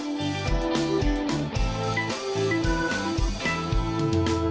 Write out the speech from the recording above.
วันหยุดยาวกันมาแล้วไงตัดดาทที่ผ่านมาตอนนี้ก็ต้องมาแบบเตรียมตัวทำงานยาวกันต่อน